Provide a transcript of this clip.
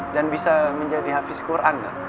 dan bisa menjadi hafiz quran